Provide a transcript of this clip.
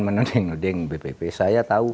menuding nuding bpp saya tahu